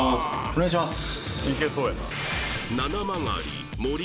お願いします